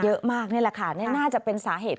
เยอะมากนี่แหละค่ะนี่น่าจะเป็นสาเหตุ